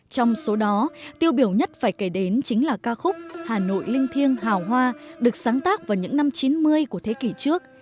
trong số đó tiêu biểu nhất phải kể đến chính là ca khúc hà nội linh thiêng hào hoa được sáng tác vào những năm chín mươi của thế kỷ trước